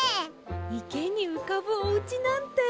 いけにうかぶおうちなんてすてきです。